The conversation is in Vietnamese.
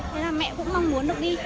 thế là mẹ cũng mong muốn được đi